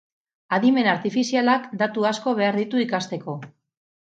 Adimen artifizialak datu asko behar ditu ikasteko.